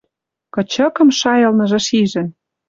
Кычыкым шайылныжы шижӹн